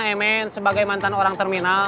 kamu sama emen sebagai mantan orang terminal